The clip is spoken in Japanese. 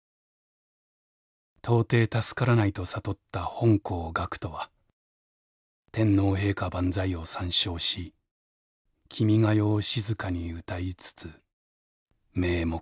到底助からないと悟った本校学徒は天皇陛下万歳を三唱し『君が代』を静かに歌いつつめい目せり」。